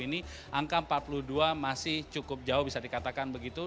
ini angka empat puluh dua masih cukup jauh bisa dikatakan begitu